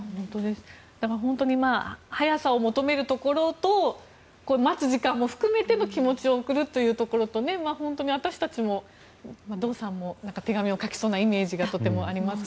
だから速さを求めるところと待つ時間も含めての気持ちを送るというところと本当に私たちも堂さんも手紙を書きそうなイメージがありますが。